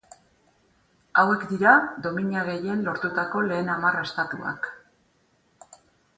Hauek dira domina gehien lortutako lehen hamar estatuak.